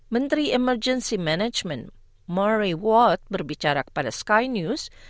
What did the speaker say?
menteri emergency management murray ward berbicara pada sky news